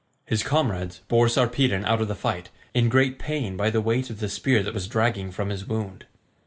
His comrades bore Sarpedon out of the fight, in great pain by the weight of the spear that was dragging from his wound.